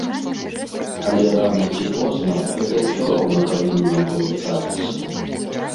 Але рана ці позна гэта ўсё роўна павінна было здарыцца.